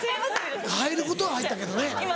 入ることは入ったけどね。